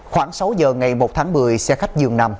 khoảng sáu giờ ngày một tháng một mươi xe khách dường nằm